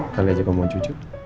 kalian juga mau cucu